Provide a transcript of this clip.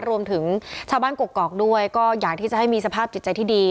รวมถึงชาวบ้านกกอกด้วยก็อยากที่จะให้มีสภาพจิตใจที่ดี